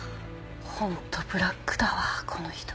本当ブラックだわこの人。